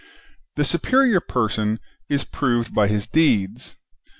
The superior person is to be proved by his deeds.